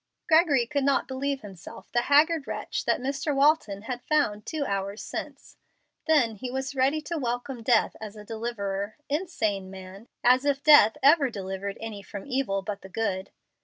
Gregory could not believe himself the haggard wretch that Mr. Walton had found two hours since. Then he was ready to welcome death as a deliverer. Insane man! As if death ever delivered any from evil but the good!